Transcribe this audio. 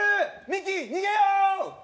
ミキ逃げよう！